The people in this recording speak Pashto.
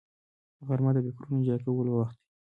غرمه د فکرونو جلا کولو وخت دی